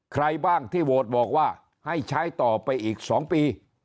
ใครบ้างที่โหวตบอกว่าให้ใช้ต่อไปอีก๒ปี